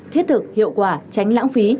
thiết thực hiệu quả tránh lãng phí